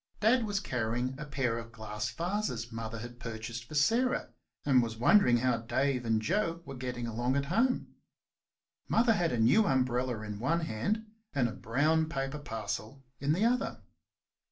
Dad was carrying a pair of glass vases Mother had purchased for Sarah, and was wondering how Dave and Joe were getting along at home. Mother had a new umbrella in one hand and a brown paper parcel in the other.